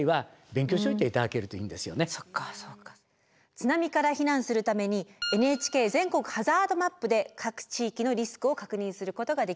津波から避難するためにＮＨＫ全国ハザードマップで各地域のリスクを確認することができます。